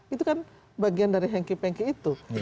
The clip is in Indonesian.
itu kan bagian dari hengki pengki itu